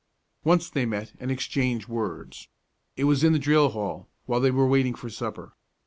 Once they met and exchanged words. It was in the drill hall, while they were waiting for supper.